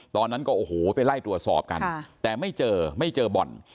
ตอนนั้นก็โอ้โหไปไล่ตรวจสอบกันแต่ไม่เจอไม่เจอบ่อน